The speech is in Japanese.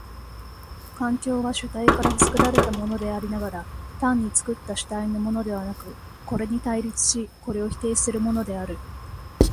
環境は主体から作られたものでありながら、単に作った主体のものではなく、これに対立しこれを否定するものである。